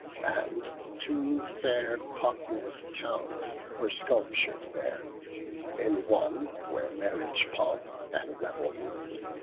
And two fair populous towns were sculptur'd there; In one were marriage pomp and revelry.